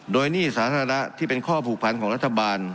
โดยหนี้สาธารณะที่เป็นข้อผูกพันของรัฐบาล